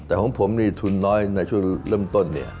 แต่ของผมนี่ทุนน้อยในช่วงเริ่มต้นเนี่ย